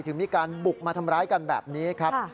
ถึงมีการบุกมาทำร้ายกันแบบนี้ครับ